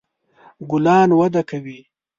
ګلان وده کوي